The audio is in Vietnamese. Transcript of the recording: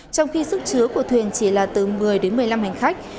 trong khi sức chứa của thuyền chỉ là từ một mươi đến một mươi năm hành khách